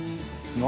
何？